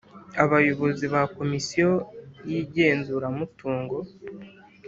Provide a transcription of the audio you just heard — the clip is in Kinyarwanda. Abayobozi ba Komisiyo y igenzuramutungo